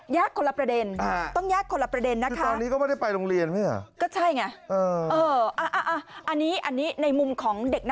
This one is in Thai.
ยากคนลับประเด็นต้องยากคนลับประเด็นนั้นคะ